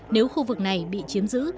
nếu khu vực này bị chiếm giữ